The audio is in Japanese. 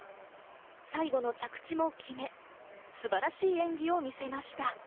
最後の着地も決め、素晴らしい演技を見せました。